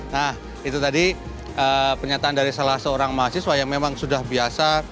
nah itu tadi pernyataan dari salah seorang mahasiswa yang memang sudah biasa